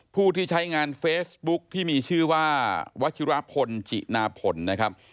ผู้ที่ใช้งานเฟซบุ๊คที่มีชื่อว่าวัชิรพลจินาผลนะครับ